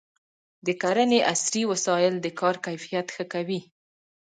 د کرنې عصري وسایل د کار کیفیت ښه کوي.